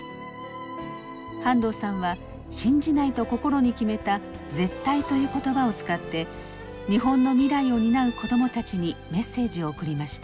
半藤さんは信じないと心に決めた「絶対」という言葉を使って日本の未来を担う子供たちにメッセージを送りました。